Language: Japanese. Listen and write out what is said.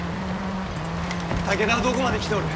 武田はどこまで来ておる。